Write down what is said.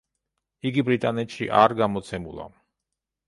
იგი ბრიტანეთში არ გამოცემულა.